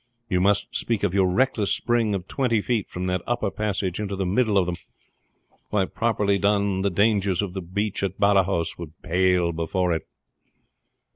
You must speak of your reckless spring of twenty feet from that upper passage into the middle of them. Why, properly told, the dangers of the breach at Badajos would pale before it."